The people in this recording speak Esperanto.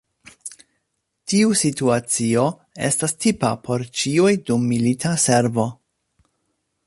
Tiu situacio estas tipa por ĉiuj dum milita servo.